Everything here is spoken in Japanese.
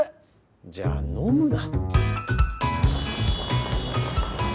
じゃあ飲むな。